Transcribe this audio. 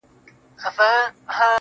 • عجيب سړى يم له سهاره تر غرمې بيدار يم.